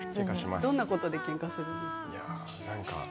どんなことでけんかしますか？